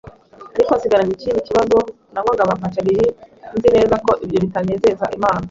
Ariko nsigaranye ikindi kibazo: nanywaga amapaki abiri nzi neza ko ibyo bitanezeza Imana,